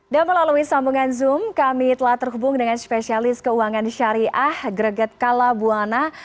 melalui sambungan zoom kami telah terhubung dengan spesialis keuangan syariah greget kalabuana